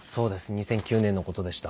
２００９年の事でした。